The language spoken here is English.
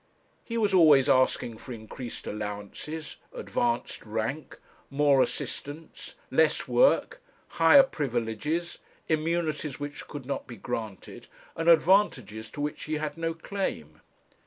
He was always asking for increased allowances, advanced rank, more assistance, less work, higher privileges, immunities which could not be granted, and advantages to which he had no claim.